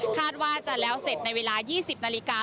คาดว่าจะแล้วเสร็จในเวลา๒๐นาฬิกา